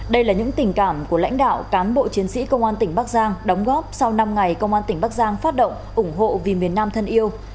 đây là những tình cảm của lãnh đạo cán bộ chiến sĩ công an tỉnh bắc giang đóng góp sau năm ngày công an tỉnh bắc giang phát động ủng hộ vì miền nam thân yêu